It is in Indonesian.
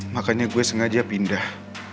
makanya gue sengaja pindah